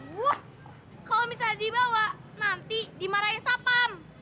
wah kalau misalnya dibawa nanti dimarahin sapam